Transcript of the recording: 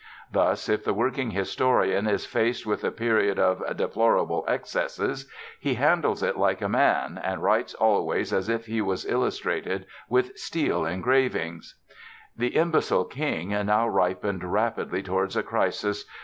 Thus, if the working historian is faced with a period of "deplorable excesses," he handles it like a man, and writes always as if he was illustrated with steel engravings: The imbecile king now ripened rapidly towards a crisis.